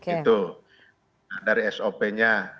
itu dari sop nya